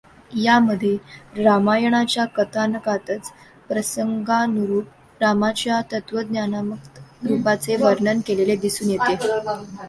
यामध्ये रामायणाच्या कथानकातच प्रसंगानुरूप रामाच्या तत्वज्ञानात्मक रूपाचे वर्णन केलेले दिसून येते.